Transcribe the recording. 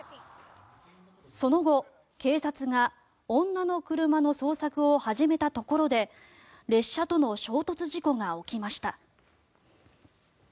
その後、警察が女の車の捜索を始めたところで列車との衝突事故が起きました。